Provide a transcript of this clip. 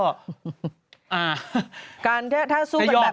จะยอมหรอคุณแม่อันนี้เขาก็จะยอมหรอ